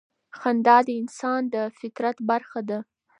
خندا د انسان د فطرت برخه ده.